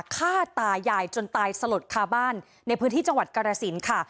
ฆ่าตายายจนตายสลดคาบ้านในพื้นที่จังหวัดกรสินค่ะ